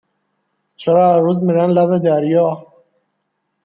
چرا هر روز میرن لب دریا؟